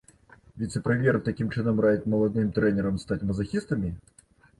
Віцэ-прэм'ер такім чынам раіць маладым трэнерам стаць мазахістамі?